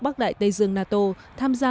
bắc đại tây dương nato tham gia